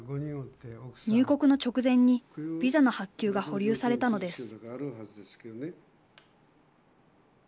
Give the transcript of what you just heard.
入国の直前にビザの発給が保留されたのです。